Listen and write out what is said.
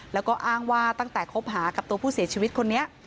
แล้วก็อ้างว่าตั้งแต่คบหากับตัวผู้เสียชีวิตคนนี้